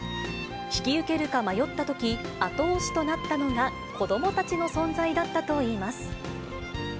引き受けるか迷ったとき、後押しとなったのが、子どもたちの存在だったといいます。